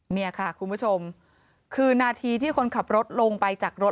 เนี่ยค่ะคุณผู้ชมคือนาทีที่คนขับรถลงไปจากรถ